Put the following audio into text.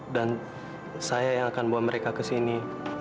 dan saya yang akan bawa mereka kesini